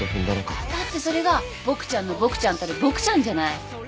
だってそれがボクちゃんのボクちゃんたるボクちゃんじゃない。